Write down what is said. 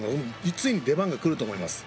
ついに出番が来ると思います。